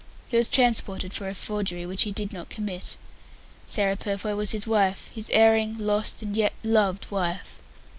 He was transported for a forgery which he did not commit. Sarah Purfoy was his wife his erring, lost and yet loved wife.